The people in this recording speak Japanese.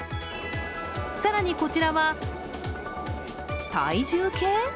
更に、こちらは体重計？